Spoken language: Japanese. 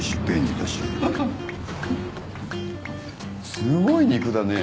すごい肉だね。